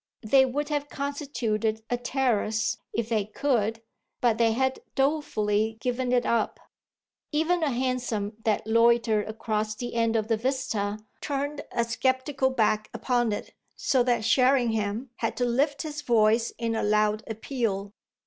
They would have constituted a "terrace" if they could, but they had dolefully given it up. Even a hansom that loitered across the end of the vista turned a sceptical back upon it, so that Sherringham had to lift his voice in a loud appeal.